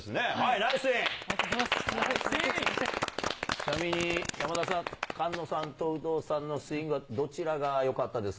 ちなみに、山田さん、菅野さんと有働さんのスイングはどちらがよかったです？